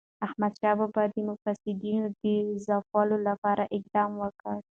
احمدشاه بابا د مفسدینو د ځپلو لپاره اقدام وکړ.